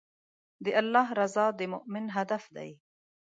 د الله رضا د مؤمن هدف دی.